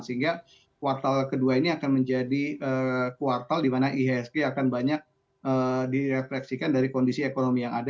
sehingga kuartal kedua ini akan menjadi kuartal di mana ihsg akan banyak direfleksikan dari kondisi ekonomi yang ada